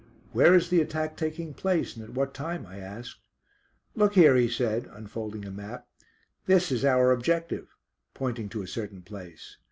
"Where is the attack taking place, and at what time?" I asked. "Look here," he said, unfolding a map, "this is our objective," pointing to a certain place.